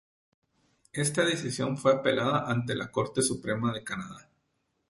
Esta decisión fue apelada ante la Corte Suprema de Canadá.